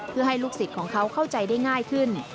เพื่อให้ลูกศิษย์ของเขาเข้าใจได้ง่ายขึ้น